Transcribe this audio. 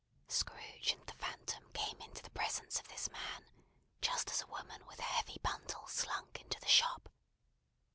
Scrooge and the Phantom came into the presence of this man, just as a woman with a heavy bundle slunk into the shop.